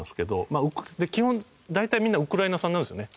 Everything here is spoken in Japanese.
基本大体みんなウクライナ産なんですよね。